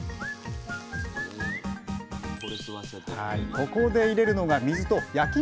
ここで入れるのが水と焼肉のたれ。